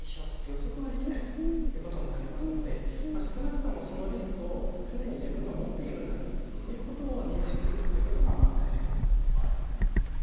予測ができないということになりますので少なくともそのリスクを常に自分が持っているんだということを認識するっていうことが大事かなというふうに思います。